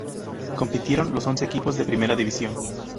Compitieron los once equipos de Primera División.